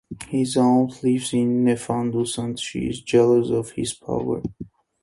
His aunt lives in Nefandus and she is jealous of his power.